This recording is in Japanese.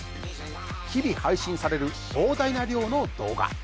日々配信される膨大な量の動画。